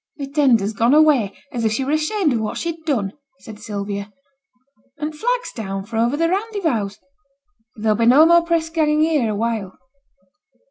'Th' tender's gone away, as if she were ashamed o' what she'd done,' said Sylvia, 'and t' flag's down fra' o'er the Randyvowse. There 'll be no more press ganging here awhile.'